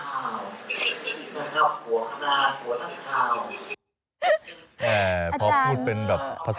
หัวขนาดหัวนักข่าว